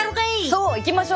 そういきましょう。